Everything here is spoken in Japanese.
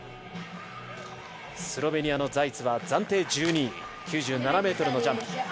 スロベニアのザイツは暫定１２位、９７ｍのジャンプ。